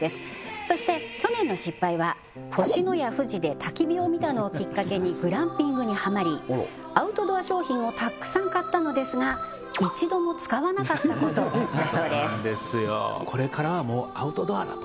そして去年の失敗は星のや富士でたき火を見たのをきっかけにグランピングにハマりアウトドア商品をたくさん買ったのですが一度も使わなかったことだそうです